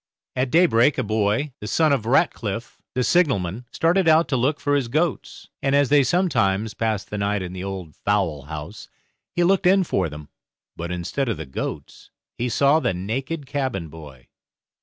At daybreak a boy, the son of Ratcliff, the signal man, started out to look for his goats, and as they sometimes passed the night in the old fowlhouse, he looked in for them. But instead of the goats, he saw the naked cabin boy.